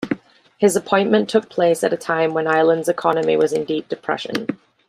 His appointment took place at a time when Ireland's economy was in deep depression.